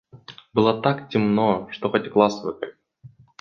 Было так темно, что хоть глаз выколи.